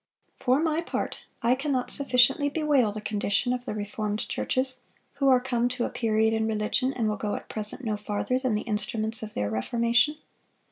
(435) "For my part, I cannot sufficiently bewail the condition of the reformed churches, who are come to a period in religion, and will go at present no farther than the instruments of their reformation.